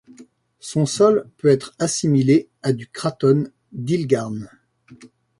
Son sol peut être assimilé à du craton d’Yilgarn.